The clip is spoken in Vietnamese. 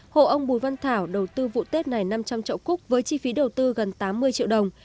hộ ông bùi văn thảo đầu tư vụ tết này năm trăm linh trậu cúc với chi phí đầu tư gần tám mươi triệu đồng